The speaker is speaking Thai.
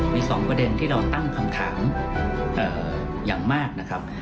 มี๒ประเด็นที่เราตั้งคำถามอย่างมากนะครับ